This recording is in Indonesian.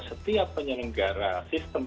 setiap penyelenggaraan sistem